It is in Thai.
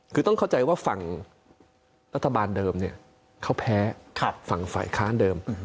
คือต้องเข้าใจว่าฝั่งรัฐบาลเดิมเนี่ยเขาแพ้ฝั่งฝ่ายค้านเดิม